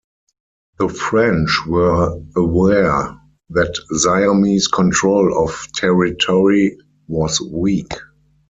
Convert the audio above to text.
The French were aware that Siamese control of territory was weak.